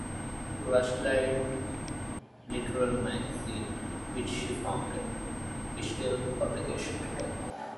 Rushlight Literary Magazine, which she founded, is still in publication today.